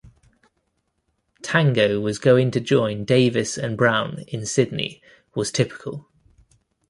Tango was going to join Davis and Brown in Sydney was typical.